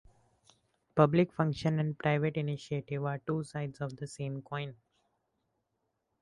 Public function and private initiative are two sides of the same coin.